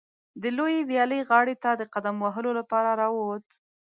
د لویې ویالې غاړې ته د قدم وهلو لپاره راووت.